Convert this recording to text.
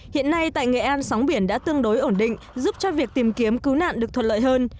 hiện nay tại nghệ an sóng biển đã tương đối ổn định giúp cho việc tìm kiếm cứu nạn được thuận lợi hơn